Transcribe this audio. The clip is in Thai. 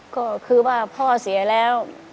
ก็คือว่าพ่อเสียแล้ว